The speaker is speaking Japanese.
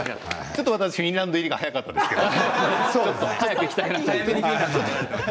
ちょっと私、フィンランド入りが早かったですけど。